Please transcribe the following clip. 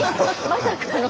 まさかの？